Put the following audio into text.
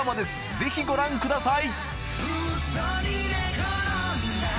ぜひご覧下さい！